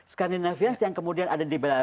scandinavians yang kemudian ada di balai balai